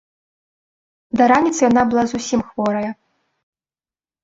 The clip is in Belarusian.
Да раніцы яна была зусім хворая.